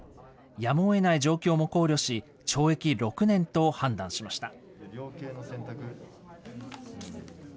やむをえない状況も考慮し、懲役６年と判断しました。